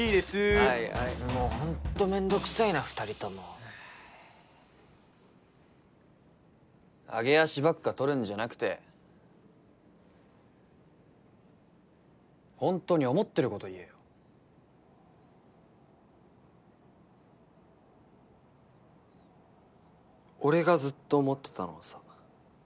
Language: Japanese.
はいはいもう本当めんどくさいな２人とも揚げ足ばっか取るんじゃなくて本当に思ってること言えよ俺がずっと思ってたのはさ